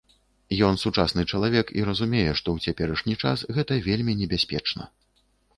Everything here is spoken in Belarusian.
Ён сучасны чалавек і разумее, што ў цяперашні час гэта вельмі небяспечна.